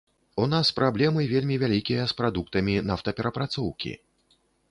У нас праблемы вельмі вялікія з прадуктамі нафтаперапрацоўкі.